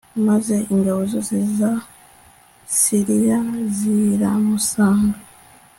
maze ingabo zose za siriya ziramusanga